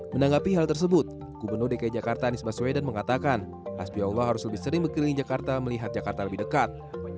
menanggapi hal tersebut gubernur dki jakarta anies baswedan mengatakan asbi allah harus lebih sering berkeliling jakarta melihat jakarta lebih dekat